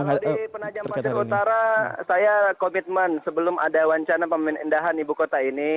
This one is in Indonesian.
kalau di penajaman masjid utara saya komitmen sebelum ada wancana pemerintahan ibu kota ini